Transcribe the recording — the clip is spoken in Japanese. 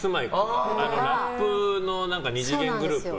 ラップの二次元グループ。